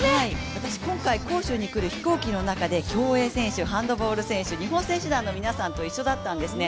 私今回、杭州に来る飛行機の中で競泳選手、ハンドボール選手日本選手団の皆さんと一緒だったんですね。